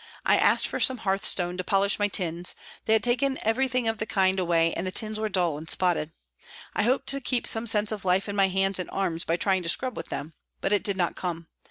I asked for some hearthstone to polish my tins they had taken everything of the kind away and the tins were dull and spotted. I hoped to keep some sense of life in my hands and arms by trying to scrub with them. But it did not come.